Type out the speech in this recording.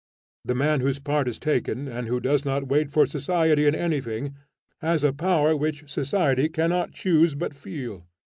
The man whose part is taken and who does not wait for society in anything, has a power which society cannot choose but feel.